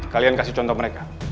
kalian kasih contoh mereka